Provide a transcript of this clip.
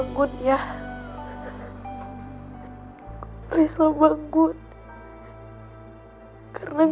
kerja bersama dengan anda